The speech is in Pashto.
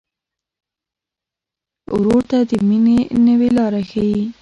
ورور ته د مینې نوې لاره ښيي.